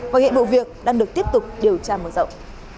hội hiện bộ việc đang được tiếp tục điều tra mở rộng